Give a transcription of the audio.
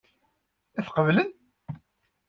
Ad t-qeblen?